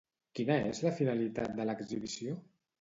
Quina és la finalitat de l'exhibició?